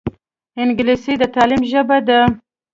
انګلیسي د تعلیم ژبه ده